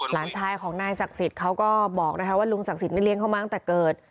หลานชายของนายศักดิ์สิทธิ์เขาก็บอกนะคะว่าลุงศักดิ์เลี้ยเข้ามาตั้งแต่เกิด